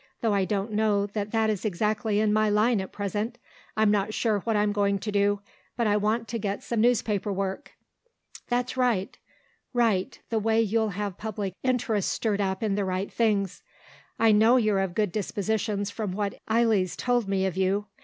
"Though I don't know that that is exactly in my line at present ... I'm not sure what I'm going to do, but I want to get some newspaper work." "That's right. Write, the way you'll have public interest stirred up in the right things. I know you're of good dispositions from what Eily's told me of you.